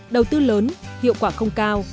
đầu tư lớn hiệu quả không cao